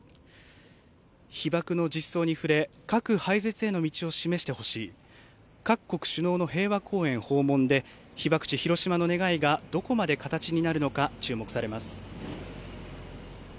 被爆の実相に触れ核廃絶への道を示してほしい各国首脳の平和公園訪問で被爆地ヒロシマの願いがどこまで形になるのか注目されます。